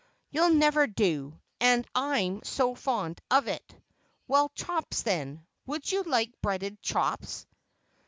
"You never do, and I am so fond of it. Well, chops then. Would you like breaded chops?"